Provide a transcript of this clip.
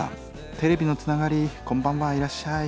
「テレビのつながりこんばんはいらっしゃい」。